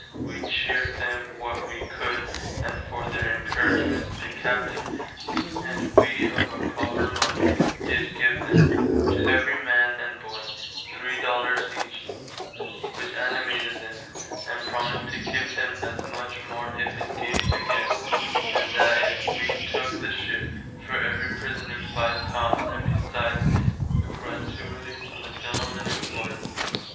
Wee cheared them what wee could, and, for their encouragement, the Captain and wee of our proper money did give them, to every man and boy, three dollars each, which animated them, and promised to give them as much more if engaged againe, and that if [wee] took the ship, for every prisoner five pounds and besides a gratuity from the Gentlemen Employers.